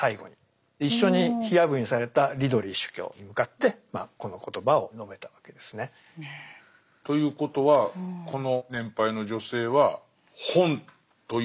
一緒に火あぶりにされたリドリー主教に向かってこの言葉を述べたわけですね。ということはこの年配の女性は本という信仰に殉ずるというか。